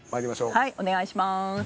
はいお願いします。